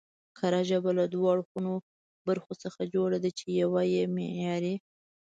کره ژبه له دوو اړينو برخو څخه جوړه ده، چې يوه يې معياري